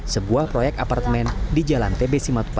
sebuah proyek apartemen di jalan tb lima puluh tujuh